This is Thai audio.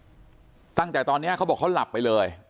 ตั้งแต่ตอนนี้เขาบอกเขาหลับไปเลย